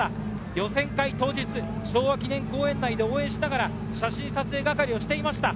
予選会当日、昭和記念公園内で応援しながら写真撮影係をしていました。